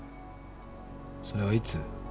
それはいつ？